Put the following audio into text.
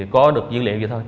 có được dữ liệu vậy thôi